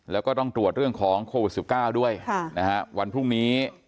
แล้วก็ต้องตรวจเรื่องของโควิดสิบเก้าด้วยค่ะนะฮะวันพรุ่งนี้